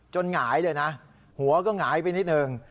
หงายเลยนะหัวก็หงายไปนิดนึง